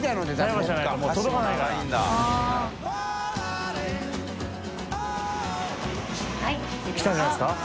尾上）きたんじゃないですか？